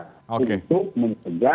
yang hanya untuk berkonsultasi